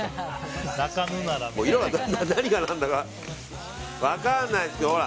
何が何だか分からないですよ。